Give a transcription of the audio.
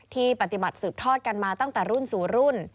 ที่ปฏิบัติสืบทอดกันมาตั้งแต่รุ่นสู่รุ่น